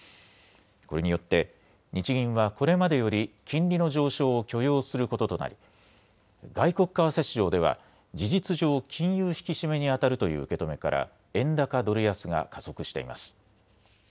これによって日銀はこれまでより金利の上昇を許容することとなり、外国為替市場では事実上、金融引き締めにあたるという受け止めから円高ドル安が加速しています。